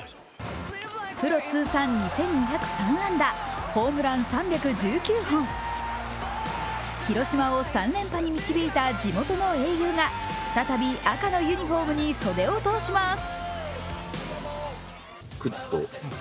プロ通算２２０３安打、ホームラン３１９本、広島を３連覇に導いた地元の英雄が再び赤のユニフォームに袖を通します。